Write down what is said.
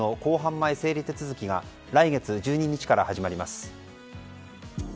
前整理手続きが来月１２日から始まります。